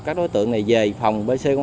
các đối tượng này về phòng pc hai